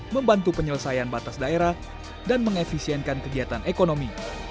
membantu penyelesaian batas daerah dan mengefisienkan kegiatan ekonomi